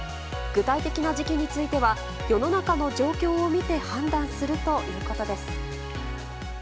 具体的な時期については、世の中の状況を見て判断するということです。